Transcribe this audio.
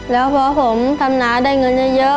แล้วพอผมทำนาได้เงินเยอะ